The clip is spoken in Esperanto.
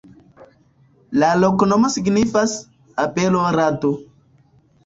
La loknomo signifas: abelo-rado.